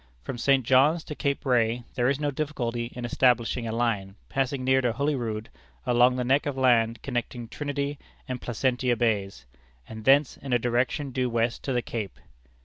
From St. John's to Cape Ray there is no difficulty in establishing a line passing near Holy Rood along the neck of land connecting Trinity and Placentia Bays, and thence in a direction due west to the Cape.